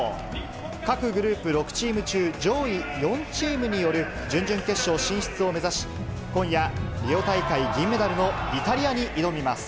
各グループ６チーム中、上位４チームによる準々決勝進出を目指し、今夜、リオ大会銀メダルのイタリアに挑みます。